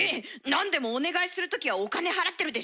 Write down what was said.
なんでもお願いするときはお金払ってるでしょ？